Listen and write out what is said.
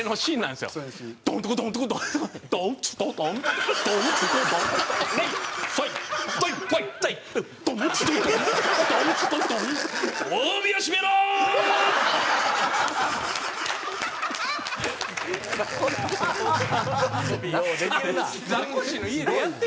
すごいな。